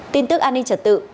tin tức an ninh trật tự